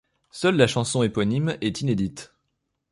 Seule la chanson éponyme est inédite.